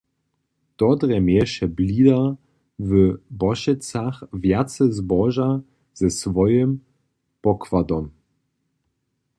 To drje měješe blidar w Bošecach wjace zboža ze swojim pokładom.